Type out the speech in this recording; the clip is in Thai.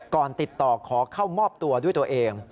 ติดต่อขอเข้ามอบตัวด้วยตัวเอง